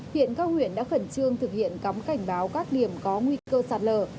hiện các huyện đã khẩn trương thực hiện cắm cảnh báo các điểm có nguy cơ sạt lở